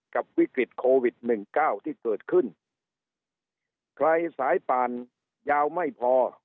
วิกฤตโควิดหนึ่งเก้าที่เกิดขึ้นใครสายป่านยาวไม่พอ